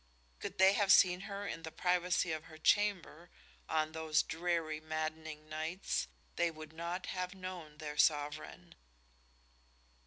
Could they have seen her in the privacy of her chamber on those dreary, maddening nights they would not have known their sovereign.